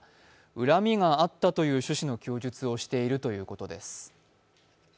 恨みがあったという趣旨の供述をしているということです。